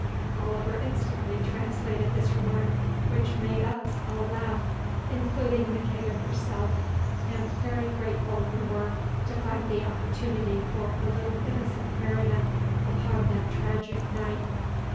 Oliver instantly translated this remark, which made us all laugh, including Maqueda herself, and very grateful we were to find the opportunity for a little innocent merriment upon that tragic night.